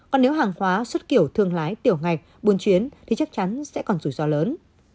còn nếu hàng hóa xuất kiểu thương lái tiểu ngạch buôn chuyến thì chắc chắn sẽ còn rủi ro lớn